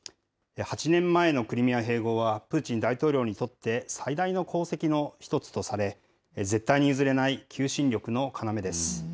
８年前のクリミア併合は、プーチン大統領にとって最大の功績の一つとされ、絶対に譲れない求心力の要です。